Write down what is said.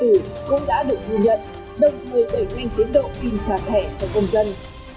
cũng đã được nhu nhận đồng thời đẩy nhanh tiến độ pin trả thẻ cho công dân